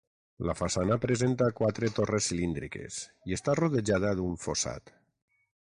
La façana presenta quatre torres cilíndriques, i està rodejada d'un fossat.